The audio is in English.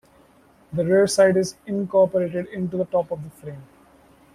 The rear sight is incorporated into the top of the frame.